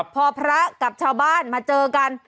พอพระกับชาวบ้านมาเจอกัน